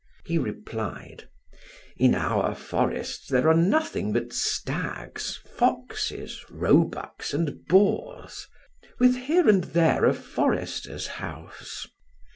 He replied: "In our forests there are nothing but stags, foxes, roebucks, and boars, with here and there a forester's house."